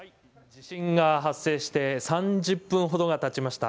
地震が発生して３０分ほどがたちました。